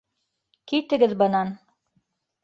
Китегеҙ бынан.